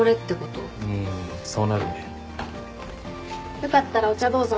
よかったらお茶どうぞ。